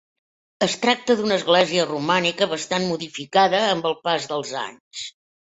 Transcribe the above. Es tracta d'una església romànica bastant modificada amb el pas dels anys.